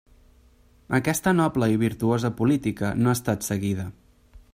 Aquesta noble i virtuosa política no ha estat seguida.